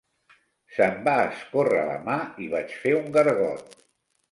Se'm va escórrer la mà i vaig fer un gargot.